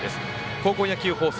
高校野球放送